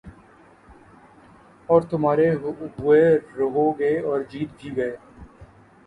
اور تُمہارے ہوئے رہو گے اگر جیت بھی گئے